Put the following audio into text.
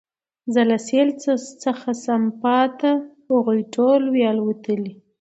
زه له سېل څخه سم پاته هغوی ټول وي الوتلي